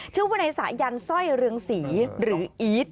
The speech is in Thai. ชื่อว่าในสายันสร้อยเรืองศรีหรืออีท